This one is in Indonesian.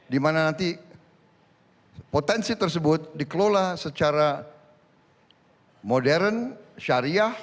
dimana nanti potensi tersebut dikelola secara modern syariah